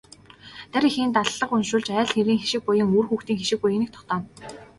Дарь эхийн даллага уншуулж айл гэрийн хишиг буян, үр хүүхдийн хишиг буяныг тогтооно.